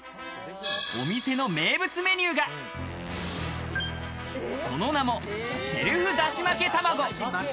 お店の名物メニューが、その名も、セルフ出汁巻け卵。